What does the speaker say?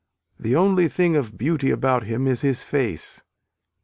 The only "thing of beauty" about him is his face.